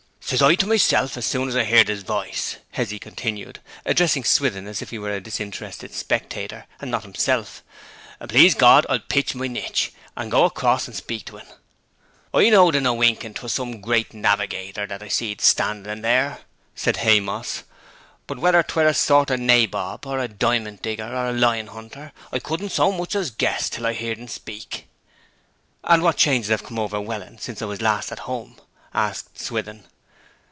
'Says I to myself as soon as I heerd his voice,' Hezzy continued (addressing Swithin as if he were a disinterested spectator and not himself), 'please God I'll pitch my nitch, and go across and speak to en.' 'I knowed in a winking 'twas some great navigator that I see a standing there,' said Haymoss. 'But whe'r 'twere a sort of nabob, or a diment digger, or a lion hunter, I couldn't so much as guess till I heerd en speak.' 'And what changes have come over Welland since I was last at home?' asked Swithin.